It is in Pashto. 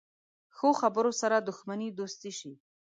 ښو خبرو سره دښمني دوستي شي.